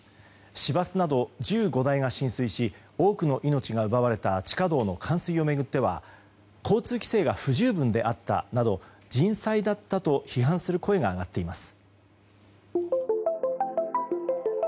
市バスなど１５台が浸水し多くの命が奪われた地下道の冠水を巡っては交通規制が不十分であったなど人災だったと批判する声が上がっています。